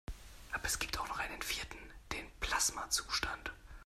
Aber es gibt auch noch einen vierten: Den Plasmazustand.